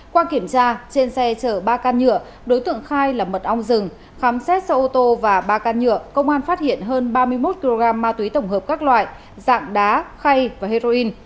qua kiểm tra trên xe chở ba can nhựa đối tượng khai là mật ong rừng khám xét xe ô tô và ba can nhựa công an phát hiện hơn ba mươi một kg ma túy tổng hợp các loại dạng đá khay và heroin